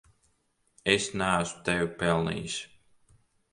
Es neesmu tevi pelnījis.